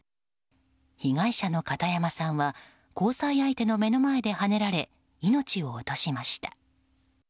被害者の片山さんは交際相手の目の前ではねられ命を落としました。